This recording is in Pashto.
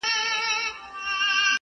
مار ژوندی ورڅخه ولاړی گړندی سو!